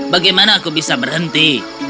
bagaimana aku bisa berhenti